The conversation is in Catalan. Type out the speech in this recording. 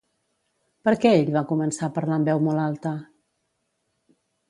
Per què ell va començar a parlar en veu molt alta?